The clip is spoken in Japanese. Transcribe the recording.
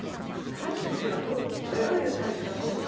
タイプっていうのはどういうタイプだととかあるんですか？